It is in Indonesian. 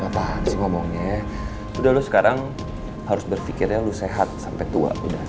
gapapa sih ngomongnya udah lo sekarang harus berfikirnya lo sehat sampe tua udah